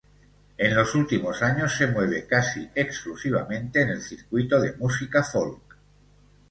En los últimos años se mueve casi exclusivamente en el circuito de música folk.